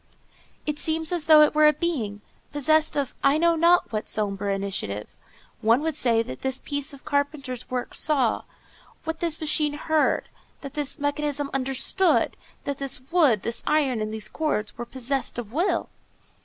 It seems as though it were a being, possessed of I know not what sombre initiative; one would say that this piece of carpenter's work saw, that this machine heard, that this mechanism understood, that this wood, this iron, and these cords were possessed of will.